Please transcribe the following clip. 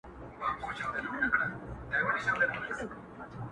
چي موږ ډېر یو تر شمېره تر حسابونو،